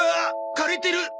枯れてる！